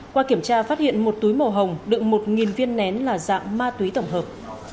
qua kiểm tra phát hiện một túi màu hồng đựng một viên nén là dạng ma túy tổng hợp